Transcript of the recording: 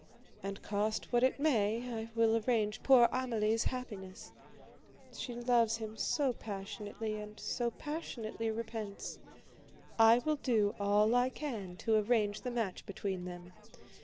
And cost what it may, I will arrange poor Amélie's happiness, she loves him so passionately, and so passionately repents. I will do all I can to arrange the match between them.